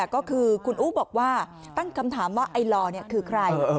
ก็คือคุณอู๋บอกว่าตั้งคำถามว่าไอลอคือใคร